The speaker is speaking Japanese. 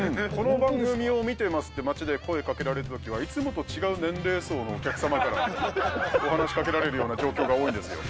この番組を見ていますって街で声をかけられるときは、いつも違う年齢層のお客様から話しかけられるような状況が多いんです。